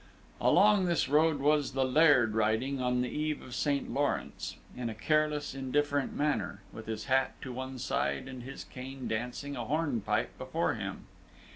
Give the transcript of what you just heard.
Along this road was the Laird riding on the Eve of St. Lawrence, in a careless, indifferent manner, with his hat to one side, and his cane dancing a hornpipe before him.